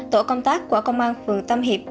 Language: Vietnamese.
tổ công tác của công an phường tâm hiệp